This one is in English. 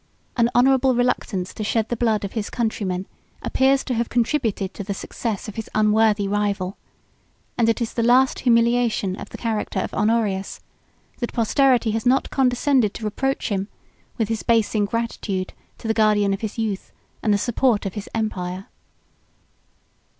An honorable reluctance to shed the blood of his countrymen appears to have contributed to the success of his unworthy rival; and it is the last humiliation of the character of Honorius, that posterity has not condescended to reproach him with his base ingratitude to the guardian of his youth, and the support of his empire.